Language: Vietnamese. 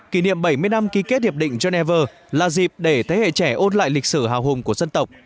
kỷ niệm bảy mươi năm ký kết hiệp định geneva là dịp để thế hệ trẻ ôn lại lịch sử hào hùng của dân tộc